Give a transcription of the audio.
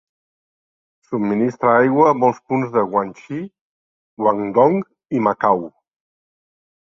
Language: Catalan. Subministra aigua a molts punts de Guangxi, Guangdong i Macau.